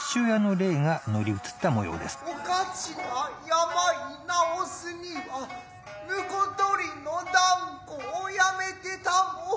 おかちが病いなおすには婿取りの談合やめてたも。